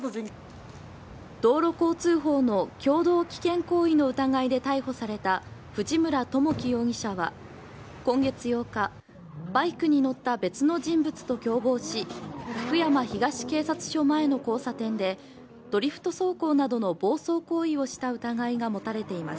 道路交通法の共同危険行為の疑いで逮捕された藤村知樹容疑者は、今月８日、バイクに乗った別の人物と共謀し、福山東警察署前の交差点で、ドリフト走行などの暴走行為をした疑いが持たれています。